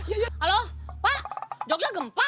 halo pak jogja gempa